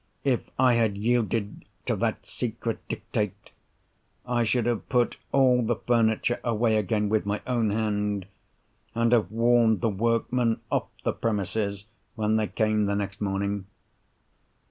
If I had yielded to that secret Dictate, I should have put all the furniture away again with my own hand, and have warned the workmen off the premises when they came the next morning."